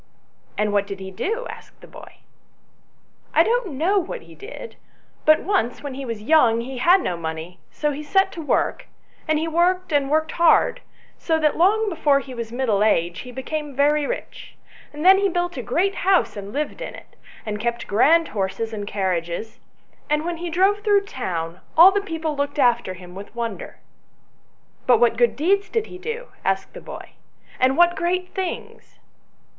" And what did he do ?" asked the boy. " I don't know what he did ; but once when he was young he had no money, so he set to work, and he worked and worked hard, so that long before he was middle aged he became very rich ; and then he built a great house and lived in it, and kept grand horses and carriages, and when he drove through the town, all the people looked after hirn with wonder." " But what good deeds did he do ?" asked the boy, " and what great things